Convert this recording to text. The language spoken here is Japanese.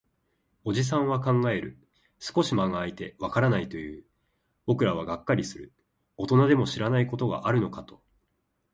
おじさんは考える。少し間が空いて、わからないと言う。僕らはがっかりする。大人でも知らないことがあるのかと。